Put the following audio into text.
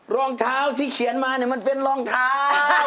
รองเท้าที่เขียนมามันเป็นรองเท้า